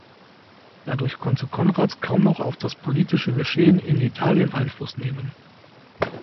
Dadurch konnte Konrad kaum noch auf das politische Geschehen in Italien Einfluss nehmen.